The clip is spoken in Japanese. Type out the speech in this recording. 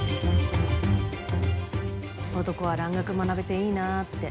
男は蘭学学べていいなぁって。